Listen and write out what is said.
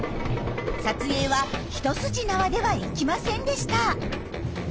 撮影は一筋縄ではいきませんでした。